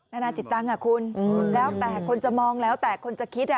นานาจิตตังค์คุณแล้วแต่คนจะมองแล้วแต่คนจะคิด